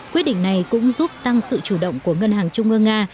quyết định này cũng giúp tăng sự chủ động của ngân hàng trung ương nga